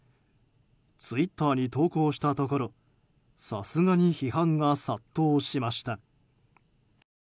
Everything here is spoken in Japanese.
ツイッターに投稿したところさすがに批判が殺到しました。